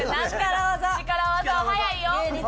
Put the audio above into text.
力技は早いよ！